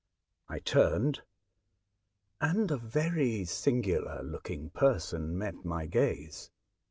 I turned, and a very singular looking person met my gaze.